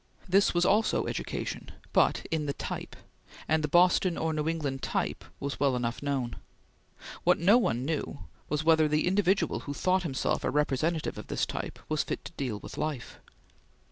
This was also education, but in the type, and the Boston or New England type was well enough known. What no one knew was whether the individual who thought himself a representative of this type, was fit to deal with life.